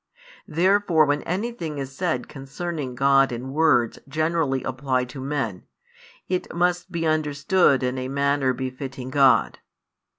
Therefore when anything is said concerning God in words generally applied to men, it must be understood in a manner befitting God.